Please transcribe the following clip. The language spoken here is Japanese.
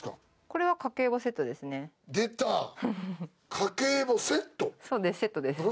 これは家計簿セットですね。